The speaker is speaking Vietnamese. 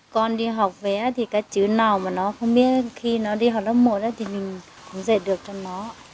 còn đi học về thì cái chữ nào mà nó không biết khi nó đi học lớp một thì mình cũng dạy được cho nó